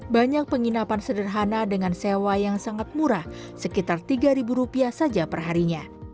banyak penginapan sederhana dengan sewa yang sangat murah sekitar tiga rupiah saja perharinya